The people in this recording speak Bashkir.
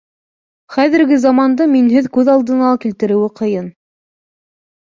Хәҙерге заманды минһеҙ күҙ алдына килтереүе лә ҡыйын.